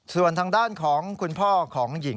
ส่วนทางด้านของคุณพ่อของหญิง